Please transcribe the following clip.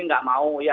nggak mau ya